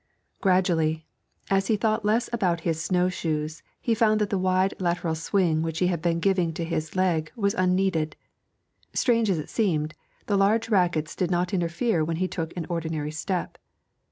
Gradually, as he thought less about his snow shoes, he found that the wide lateral swing which he had been giving to his leg was unneeded. Strange as it seemed, the large rackets did not interfere when he took an ordinary step.